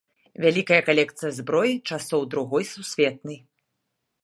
Вялікая калекцыя зброі часоў другой сусветнай.